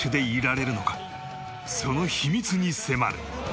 その秘密に迫る。